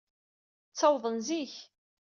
Ttawḍen zik.